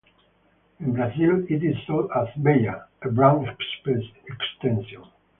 In Brazil it is sold as "Veja", a brand extension.